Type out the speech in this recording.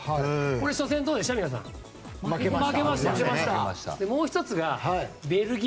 これ、初戦どうでした？